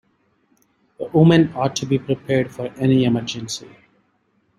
A woman ought to be prepared for any emergency.